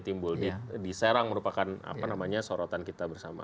ditimbul diserang merupakan sorotan kita bersama